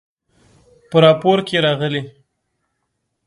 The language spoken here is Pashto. په راپور کې راغلي